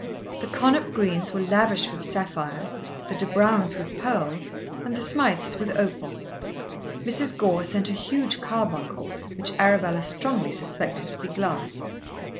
The Connop Greens were lavish with sapphires, the De Brownes with pearls, and the Smijths with opal. Mrs. Gore sent a huge carbuncle which Arabella strongly suspected to be glass.